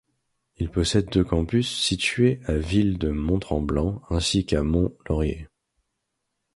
Il possède deux campus, situés à ville de Mont-Tremblant ainsi qu'à Mont-Laurier.